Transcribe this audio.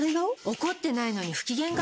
怒ってないのに不機嫌顔？